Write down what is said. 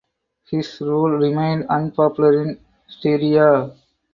His rule remained unpopular in Styria.